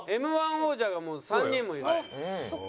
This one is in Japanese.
Ｍ−１王者がもう３人もいます。